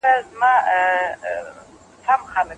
ولي مورنۍ ژبه د زده کړې مهمه وسيله ده؟